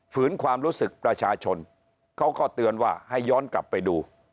ฝืนความรู้สึกประชาชนเขาก็เตือนว่าให้ย้อนกลับไปดู